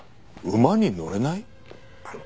馬に乗れない！？